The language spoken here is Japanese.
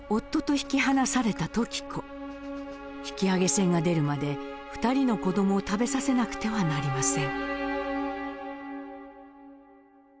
引き揚げ船が出るまで２人の子供を食べさせなくてはなりません。